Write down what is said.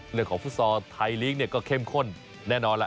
เรื่องของฟุตซอร์ไทยลิงก์เนี่ยก็เข้มข้นแน่นอนล่ะ